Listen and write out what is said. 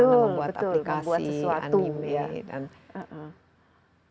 membuat aplikasi anime